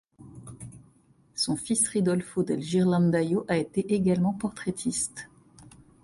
Son fils Ridolfo del Ghirlandaio a été également portraitiste.